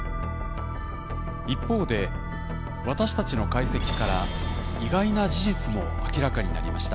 一方で私たちの解析から意外な事実も明らかになりました。